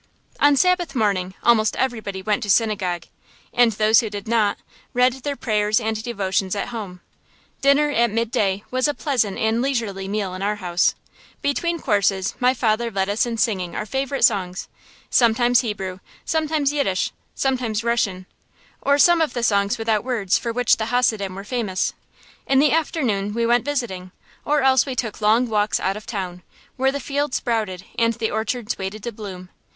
On Sabbath morning almost everybody went to synagogue, and those who did not, read their prayers and devotions at home. Dinner, at midday, was a pleasant and leisurely meal in our house. Between courses my father led us in singing our favorite songs, sometimes Hebrew, sometimes Yiddish, sometimes Russian, or some of the songs without words for which the Hasidim were famous. In the afternoon we went visiting, or else we took long walks out of town, where the fields sprouted and the orchards waited to bloom.